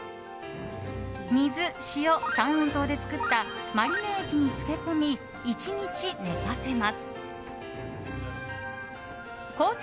水、塩、三温糖で作ったマリネ液に漬け込み１日寝かせます。